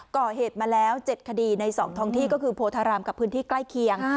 ก่อเหตุมาแล้ว๗คดีใน๒ท้องที่ก็คือโพธารามกับพื้นที่ใกล้เคียง